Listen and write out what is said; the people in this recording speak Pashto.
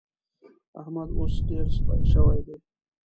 احمد اوس ډېر سپي شوی دی.